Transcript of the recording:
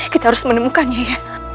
kita harus menemukannya ya